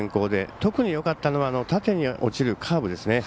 特によかったのは縦に落ちるカーブですね。